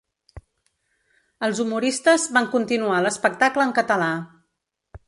Els humoristes van continuar l’espectacle en català.